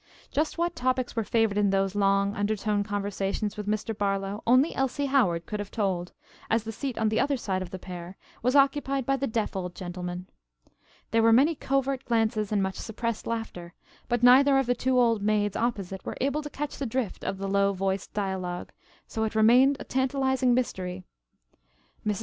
Just what topics were favored in those long undertone conversations with Mr. Barlow only Elsie Howard could have told, as the seat on the other side of the pair was occupied by the deaf old gentleman. There were many covert glances and much suppressed laughter, but neither of the two old maids opposite were able to catch the drift of the low voiced dialogue, so it remained a tantalizing mystery. Mrs.